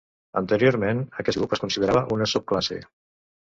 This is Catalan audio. Anteriorment aquest grup es considerava una subclasse.